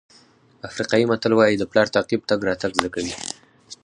افریقایي متل وایي د پلار تعقیب تګ راتګ زده کوي.